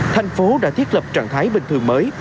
thành phố đã thiết lập trạng thái bình thường mới